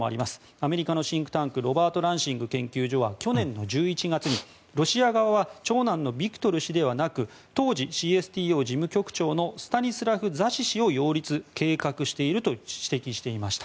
アメリカのシンクタンクロバート・ランシング研究所は去年の１１月にロシア側は長男のビクトル氏ではなく当時、ＣＳＴＯ事務局長のスタニスラフ・ザシ氏の擁立を計画していると指摘していました。